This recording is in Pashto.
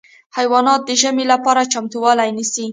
حیوانات د ژمي لپاره چمتووالی نیسي.